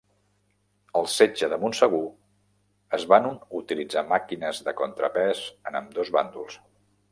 Al setge de Montsegur es van utilitzar màquines de contrapès en ambdós bàndols.